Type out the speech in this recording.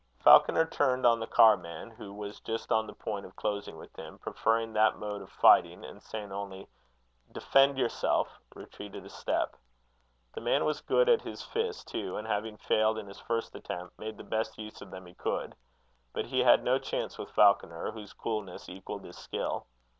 Falconer turned on the carman, who was just on the point of closing with him, preferring that mode of fighting; and saying only: "Defend yourself," retreated a step. The man was good at his fists too, and, having failed in his first attempt, made the best use of them he could. But he had no chance with Falconer, whose coolness equalled his skill.